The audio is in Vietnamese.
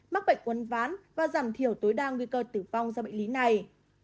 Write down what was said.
mắc bệnh uấn ván và giảm thiểu tối đa nguy cơ tử phong do bệnh lý này